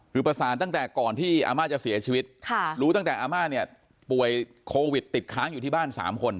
คือประสานตั้งแต่ก่อนที่อาม่าจะเสียชีวิตรู้ตั้งแต่อาม่าเนี่ยป่วยโควิดติดค้างอยู่ที่บ้าน๓คน